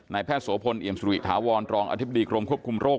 แพทย์โสพลเอี่ยมสุริถาวรรองอธิบดีกรมควบคุมโรค